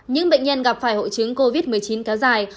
những bệnh nhân gặp phải hội chứng covid một mươi chín kéo dài